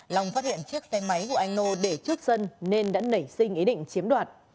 long phát hiện chiếc tay máy của anh nô để trước sân nên đã nảy sinh ý định chiếm đoàn